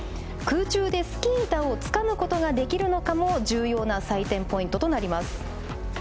空中でスキー板をつかむことができるのかも重要な採点ポイントとなります。